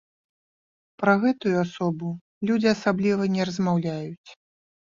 Пра гэтую асобу людзі асабліва не размаўляюць.